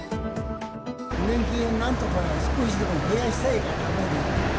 年金をなんとか少しでも増やしたいがために。